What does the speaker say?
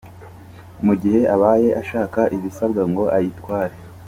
Mu gihe abaye ashaka ibisabwa ngo ayitware